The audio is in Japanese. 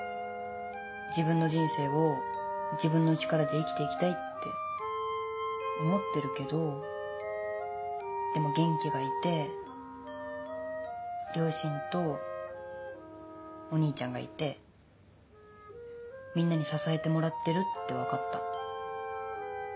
自分の人生を自分の力で生きていきたいって思ってるけどでも元気がいて両親とお兄ちゃんがいてみんなに支えてもらってるって分かった。